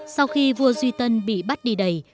sau khi vua duy tân bị bắt đi đầy